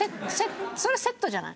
それセットじゃない？